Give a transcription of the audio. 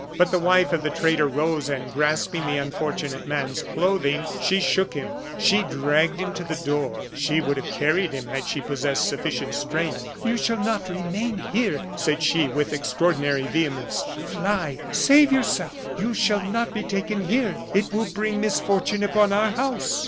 But the wife of the traitor rose, and grasping the unfortunate man's clothing, she shook him, she dragged him to the door she would have carried him had she possessed sufficient strength. "You shall not remain here," said she, with extraordinary vehemence. "Fly, save yourself. You shall not be taken here; it will bring misfortune upon our house!"